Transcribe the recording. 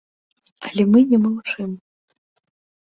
Але мы не маўчым.